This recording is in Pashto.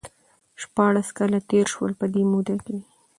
شپاړس کاله تېر شول ،په دې موده کې